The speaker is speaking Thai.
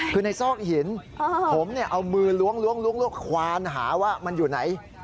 คือในซอกหินผมเอามือล้วงควานหาว่ามันอยู่ไหน